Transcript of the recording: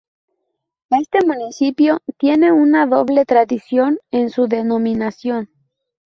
Este municipio tiene una doble tradición en su denominación.